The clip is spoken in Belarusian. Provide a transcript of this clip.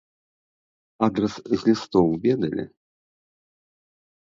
Адрас з лістоў ведалі?